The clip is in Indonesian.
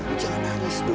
kamu jangan nangis dong